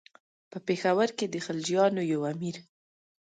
په پېښور کې د خلجیانو یو امیر.